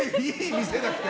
見せなくて！